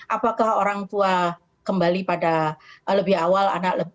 apakah orang tua kembali pada lebih awal anak